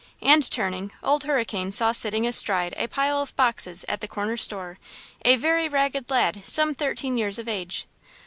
And turning, Old Hurricane saw sitting astride a pile of boxes at the corner store, a very ragged lad some thirteen years of age.